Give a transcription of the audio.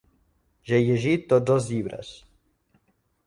Ja he llegit tots el llibres.